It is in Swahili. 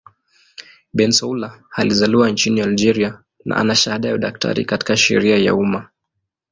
Bensaoula alizaliwa nchini Algeria na ana shahada ya udaktari katika sheria ya umma.